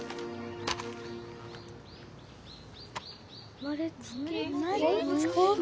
生まれつき？